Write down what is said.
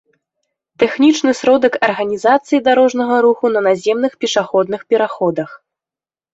тэхнічны сродак арганізацыі дарожнага руху на наземных пешаходных пераходах